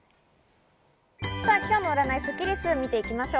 今日の占いスッキりす、見ていきましょう。